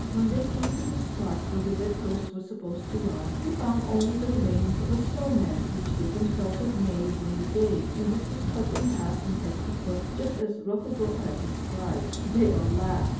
When they came to the spot where the dead ghost was supposed to lie, they found only the remains of a snow man which they themselves had made during the day ; and this was cut in half from head to foot, just as Rokugo had described. They all laughed.